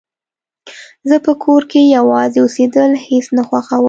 زه په کور کې يوازې اوسيدل هيڅ نه خوښوم